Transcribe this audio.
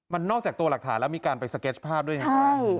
มันนอกจากตัวหลักฐานแล้วมีการไปสเก็ตช์ภาพด้วยอย่างนี้ไหม